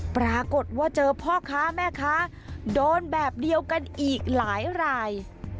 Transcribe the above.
ปรากฏว่าเจอพ่อค้าแม่ค้าโดนแบบเดียวกันอีกหลายราย